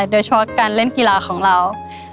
โดยเฉพาะการเล่นกีฬาของเรา